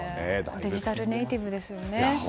デジタルネイティブですよね。